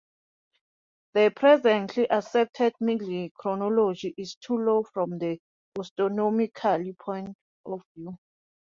The presently accepted middle chronology is too low from the astronomical point of view.